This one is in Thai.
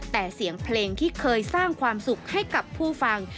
แต่เสียงเพลงที่เคยสร้างความสุขให้กับผู้ฟัง